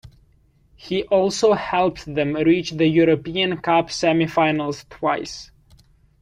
He also helped them reach the European Cup semi-finals twice.